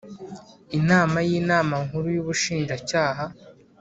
Inama y inama nkuru y ubushinjacyaha